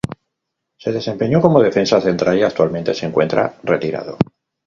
Se desempeñó como defensa central y actualmente se encuentra retirado.